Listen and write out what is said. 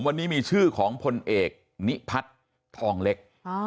วันนี้มีชื่อของพลเอกนิพัฒน์ทองเล็ก